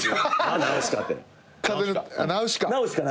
ナウしか。